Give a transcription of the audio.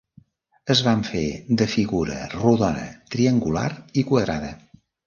Es van fer de figura rodona, triangular i quadrada.